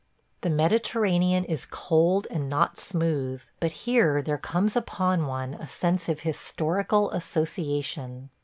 The Mediterranean is cold and not smooth, but here there comes upon one a sense of historical association.